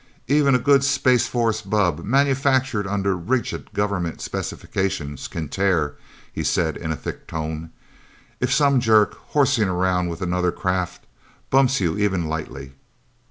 "Even a good Space Force bubb, manufactured under rigid government specifications, can tear," he said in a thick tone. "If some jerk, horsing around with another craft, bumps you even lightly.